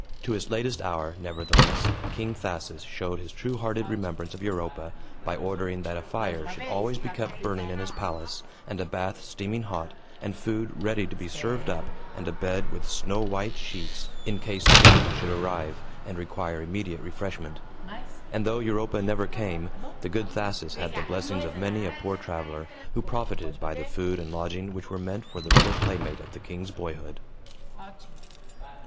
To his latest hour, nevertheless, King Thasus showed his true hearted remembrance of Europa, by ordering that a fire should always be kept burning in his palace, and a bath steaming hot, and food ready to be served up, and a bed with snow white sheets, in case the maiden should arrive, and require immediate refreshment. And, though Europa never came, the good Thasus had the blessings of many a poor traveler, who profited by the food and lodging which were meant for the little playmate of the king's boyhood.